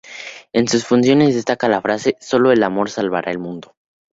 En sus funciones destaca la frase "sólo el amor salvará al mundo".